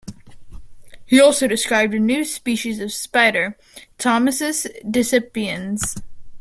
He also described a new species of spider, Thomisus decipiens.